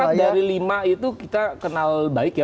empat dari lima itu kita kenal baik ya